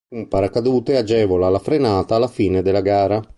Un paracadute agevola la frenata alla fine della gara.